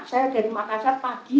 saya dari makassar pagi